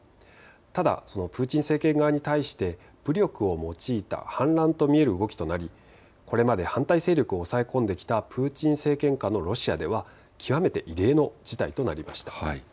ただプーチン政権側に対して武力を用いた反乱と見える動きとなりこれまで反対勢力を抑え込んできたプーチン政権下のロシアでは極めて異例の事態となりました。